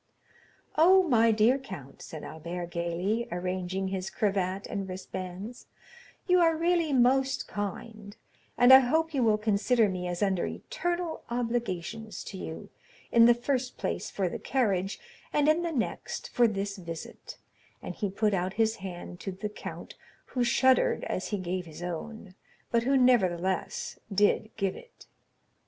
"Oh, my dear count," said Albert gayly, arranging his cravat and wristbands, "you are really most kind, and I hope you will consider me as under eternal obligations to you, in the first place for the carriage, and in the next for this visit," and he put out his hand to the count, who shuddered as he gave his own, but who nevertheless did give it.